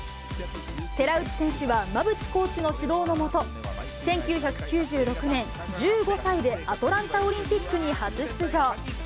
寺内選手は、馬淵コーチの指導の下、１９９６年、１５歳でアトランタオリンピックに初出場。